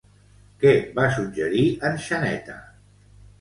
Què va suggerir en Xaneta?